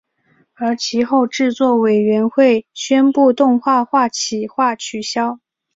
而其后制作委员会宣布动画化企划取消。